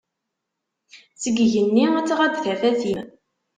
Seg igenni ad tɣab tafat-im.